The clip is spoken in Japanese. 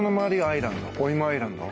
アイランド。